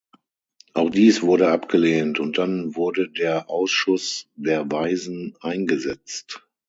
Auch dies wurde abgelehnt, und dann wurde der Ausschuss der Weisen eingesetzt.